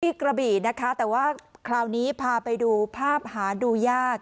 กระบี่นะคะแต่ว่าคราวนี้พาไปดูภาพหาดูยาก